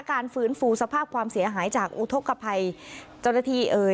การฟื้นฟูสภาพความเสียหายจากอุทธกภัยเจ้าหน้าที่เอ่ย